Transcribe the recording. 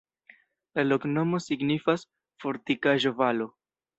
La loknomo signifas: fortikaĵo-valo.